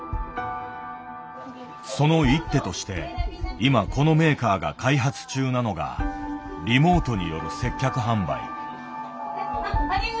その一手として今このメーカーが開発中なのがリモートによる接客販売。